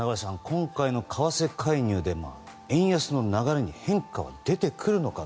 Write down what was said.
今回の為替介入で円安の流れに変化が出てくるのか